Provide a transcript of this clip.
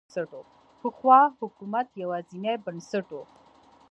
پخوا حکومت یوازینی بنسټ و.